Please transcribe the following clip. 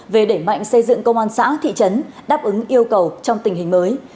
về đẩy mạnh xây dựng công an xã thị trấn đáp ứng yêu cầu trong tình hình mới